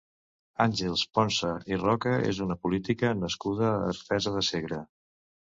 Àngels Ponsa i Roca és una política nascuda a Artesa de Segre.